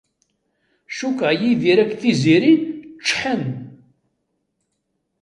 Cukkeɣ Yidir akked Tiziri ččḥen.